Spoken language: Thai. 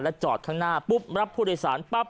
จอดข้างหน้าปุ๊บรับผู้โดยสารปั๊บ